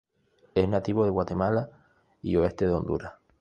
Es nativo de Guatemala y oeste de Honduras.